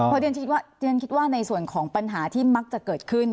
เพราะเรียนคิดว่าในส่วนของปัญหาที่มักจะเกิดขึ้น